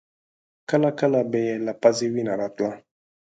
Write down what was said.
کله کله به يې له پزې وينه راتله.